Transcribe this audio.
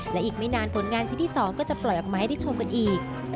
และอีกไม่นานผลงานชิ้นที่๒ก็จะปล่อยออกมาให้ได้ชมกันอีก